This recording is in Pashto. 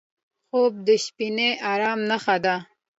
خوب د شپهني ارام نښه ده